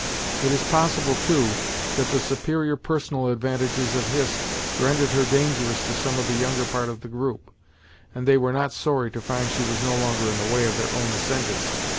It is possible, too, that the superior personal advantages of Hist rendered her dangerous to some of the younger part of the group, and they were not sorry to find she was no longer in the way of their own ascendency.